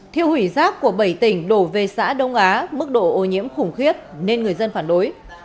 thiêu hủy rác của bảy tỉnh đổ về xã đông á mức độ ô nhiễm khủng khiếp nên người dân phản đối